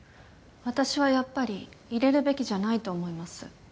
私はやっぱり入れるべきじゃないと思います。